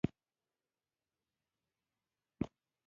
زړه د پاک نیت سره روښانه کېږي.